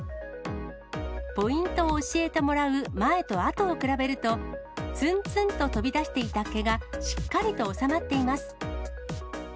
ポイントを教えてもらう前と後を比べると、つんつんと飛び出していた毛が、しっかりと収まっています。